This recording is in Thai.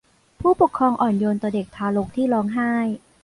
ผู้ปกครองอ่อนโยนต่อเด็กทารกที่ร้องไห้